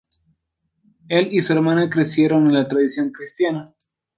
El y su hermana crecieron en la tradición cristiana.